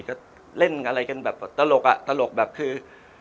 ก็เล่นอะไรกันแบบตลกอ่ะตลกแบบคือ